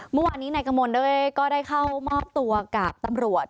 เมื่อวานนี้นายกระมวลก็ได้เข้ามอบตัวกับตำรวจ